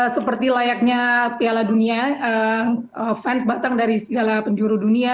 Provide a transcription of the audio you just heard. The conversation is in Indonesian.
seperti layaknya piala dunia fans batang dari segala penjuru dunia